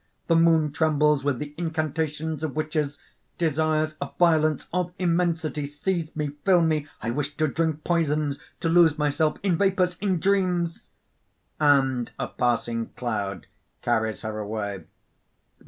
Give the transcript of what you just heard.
The moon trembles with the incantations of witches. Desires of violence, of immensity, seize me, fill me! I wish to drink poisons, to lose myself in vapours, in dreams...!" (_And a passing cloud carries her away.